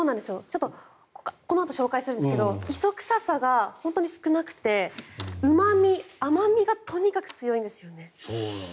ちょっとこのあと紹介するんですけど磯臭さが本当に少なくてうま味、甘味がとにかく強いんですよね。